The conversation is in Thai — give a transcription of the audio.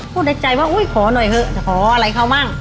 ผู้ใดใจว่าก็โห้ยขอหน่อยเถอะขออะไรข้าวบ้าง